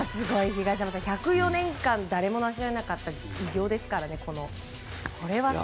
東山さん、１０４年間誰もなし得なかった偉業ですからね。